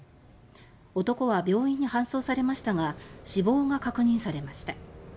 男は病院に搬送されましたが死亡が確認されました。